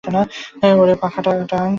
ওরে পাখাটা টান।